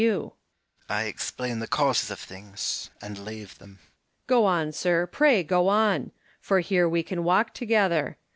Hume. I explain the causes of things, and leave them. Home. Go on, sir, pray go on ; for here we can walk together.